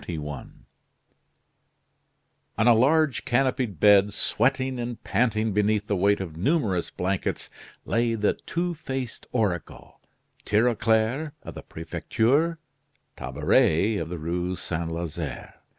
XXIII On a large canopied bed, sweating and panting beneath the weight of numerous blankets, lay the two faced oracle Tirauclair, of the Prefecture Tabaret, of the Rue Saint Lazare.